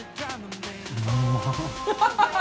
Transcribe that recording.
うんまっ。